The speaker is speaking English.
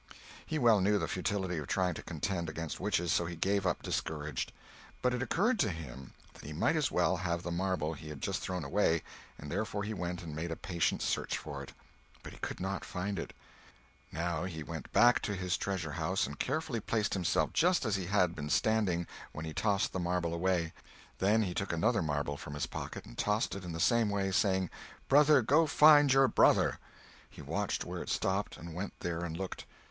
He well knew the futility of trying to contend against witches, so he gave up discouraged. But it occurred to him that he might as well have the marble he had just thrown away, and therefore he went and made a patient search for it. But he could not find it. Now he went back to his treasure house and carefully placed himself just as he had been standing when he tossed the marble away; then he took another marble from his pocket and tossed it in the same way, saying: "Brother, go find your brother!" He watched where it stopped, and went there and looked.